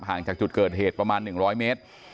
จากจุดเกิดเหตุประมาณ๑๐๐เมตร